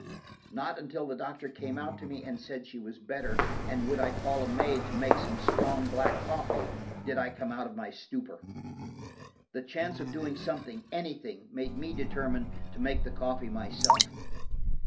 Not until the doctor came out to me, and said she was better, and would I call a maid to make some strong black coffee, did I come out of my stupor. The chance of doing something, anything, made me determine to make the coffee myself.